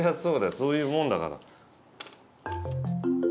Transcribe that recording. そういうもんだから。